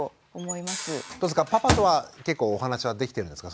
どうですかパパとは結構お話はできてるんですか？